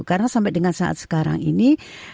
karena sampai dengan saat sekarang ini